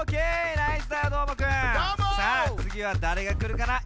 さあつぎはだれがくるかな？